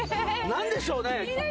何でしょうね？